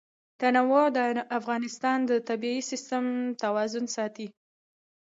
تنوع د افغانستان د طبعي سیسټم توازن ساتي.